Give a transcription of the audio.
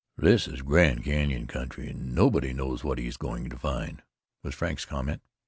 "This is Grand Canyon country, an' nobody knows what he's goin' to find," was Frank's comment.